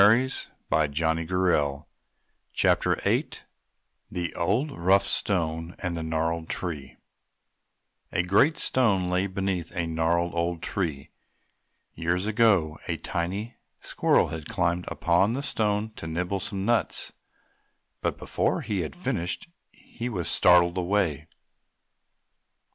THE OLD, ROUGH STONE AND THE GNARLED TREE A great rough stone lay beneath a gnarled old tree. Years ago a tiny squirrel had climbed upon the stone to nibble some nuts, but before he had finished he was startled away.